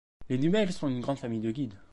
Les Knubel sont une grande famille de guides.